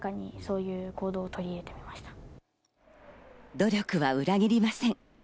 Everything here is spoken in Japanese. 努力は裏切りません。